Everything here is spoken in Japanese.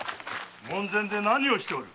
門前で何をしておる？